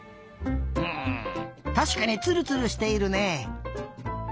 うんたしかにツルツルしているね。